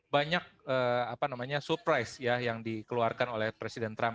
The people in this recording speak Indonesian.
banyak surprise yang dikeluarkan oleh presiden trump